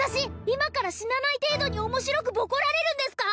今から死なない程度に面白くボコられるんですか？